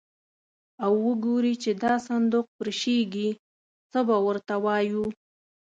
او وګوري چې دا صندوق پرشېږي، څه به ور ته وایو.